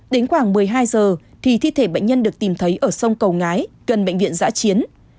đến khoảng một mươi hai giờ thì thi thể bệnh nhân được tìm thấy ở sông cầu ngái gần bệnh viện giã chiến